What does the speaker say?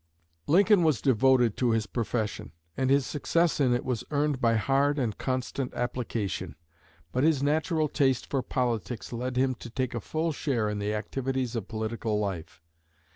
Lincoln was devoted to his profession, and his success in it was earned by hard and constant application. But his natural taste for politics led him to take a full share in the activities of political life.